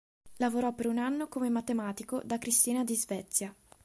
Lavorò per un anno come matematico da Cristina di Svezia.